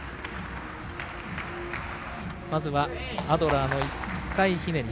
まずはアドラーの１回ひねり。